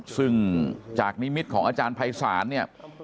ซึ่งจากนิมิตของอาจารย์ภัยศาลเนี่ย